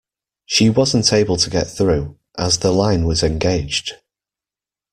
She wasn’t able to get through, as the line was engaged